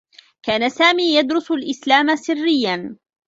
كان سامي يدرس الإسلام سرّيّا.